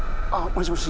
もしもし。